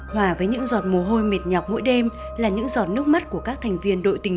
hòa với những giọt mồ hôi mệt nhọc mỗi đêm là những giọt nước mắt của các thành viên đội tình